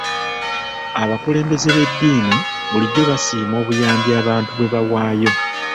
Abakulembeze b'eddiini bulijjo basiima obuyambi abantu bwe bawaayo.